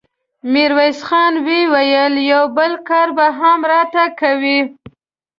ميرويس خان وويل: يو بل کار به هم راته کوې!